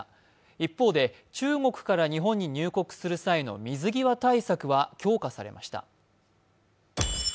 一方で中国から日本に入国する際の水際対策は強化されました。